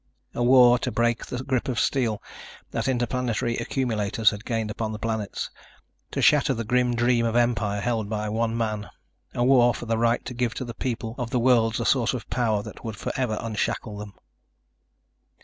A war to break the grip of steel that Interplanetary accumulators had gained upon the planets, to shatter the grim dream of empire held by one man, a war for the right to give to the people of the worlds a source of power that would forever unshackle them.